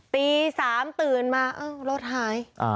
ตีสามตื่นมาเอ้อรถหาย